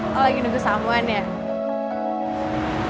kau lagi nunggu samuan ya